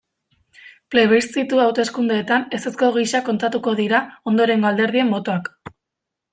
Plebiszitu hauteskundeetan ezezko gisa kontatuko dira ondorengo alderdien botoak.